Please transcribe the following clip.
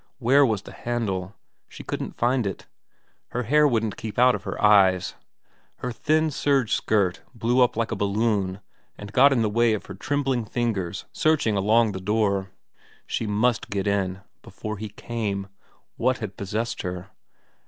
Where was the handle ? She couldn't find it. Her hair wouldn't keep out of her eyes ; her thin serge skirt blew up like a balloon and got in the way of her trembling fingers searching along the door. She must get in before he came what had possessed her